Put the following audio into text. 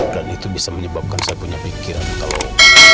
dan itu bisa menyebabkan saya punya pikiran kalau